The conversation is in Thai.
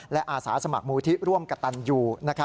และอาสาสมัครมูลที่ร่วมกระตันอยู่